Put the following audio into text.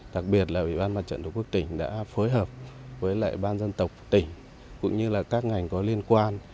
đặc biệt là ủy ban mặt trận tổ quốc tỉnh đã phối hợp với lại ban dân tộc tỉnh cũng như là các ngành có liên quan